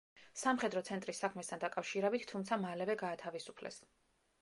სამხედრო ცენტრის საქმესთან დაკავშირებით, თუმცა მალევე გაათავისუფლეს.